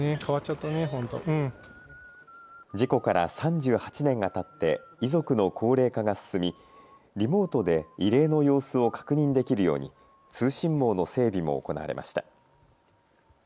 事故から３８年がたって遺族の高齢化が進みリモートで慰霊の様子を確認できるように通信網の整備も行われました。